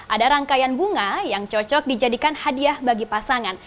ada rangkaian bunga yang cocok dijadikan hadiah bagi pasangan